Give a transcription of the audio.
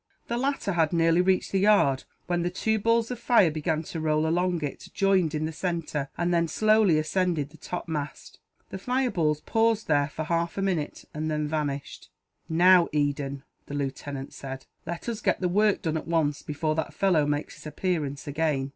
The latter had nearly reached the yard, when the two balls of fire began to roll along it, joined in the centre, and then slowly ascended the topmast. The fireballs paused there for half a minute, and then vanished. "Now, Eden," the lieutenant said, "let us get the work done, at once, before that fellow makes his appearance again."